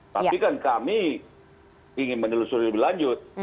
tapi kan kami ingin menelusuri lebih lanjut